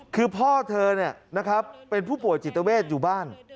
คือพ่อเธอเนี่ยนะครับเป็นผู้ป่วยจิตเวชอยู่บ้าน